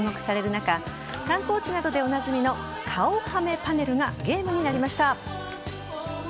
中観光地などでおなじみの顔ハメパネルがゲームになりました。